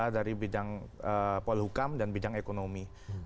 dari bidang pol hukam dan bidang ekonomi